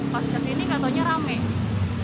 pas kesini katanya rame